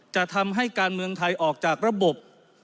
จะทำให้การเมืองไทยออกจากระบบ